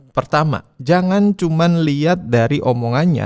pertama jangan cuman liat dari omongannya